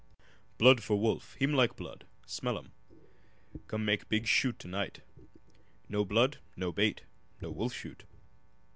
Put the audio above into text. "Blood for wolf. Heem like blood. Smell um come make big shoot to night. No blood, no bait no wolf shoot!"